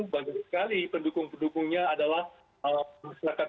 banyak sekali pendukung pendukungnya adalah rakyat amerika serikat